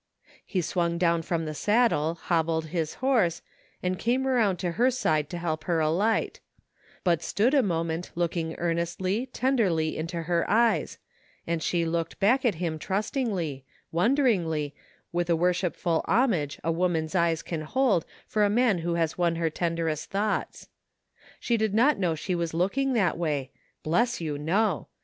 He swung down from the saddle, hobbled his horse, and came around to her side to help her alight; but stood a moment looking earnestly, tenderly into her eyes, and she looked back at him trustingly, wonder ingly with the worshijpful homage a woman's eyes can hold for the man who has won her tenderest thoughts. She did not know she was looking that way, bless you, no!